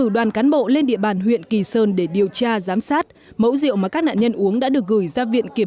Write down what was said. đoàn huyện kỳ sơn để điều tra giám sát mẫu rượu mà các nạn nhân uống đã được gửi ra viện kiểm